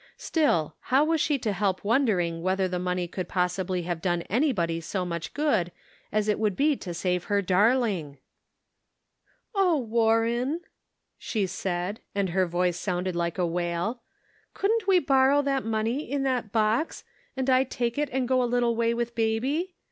Still, how was she to help won dering whether the money could possibly have done anybody so much good as it would be to save her darling ?" Oh, Warren !' she said, and her voice sounded like a wail, " couldn't we borrow that money, that in the box, and I take it and go a little way with baby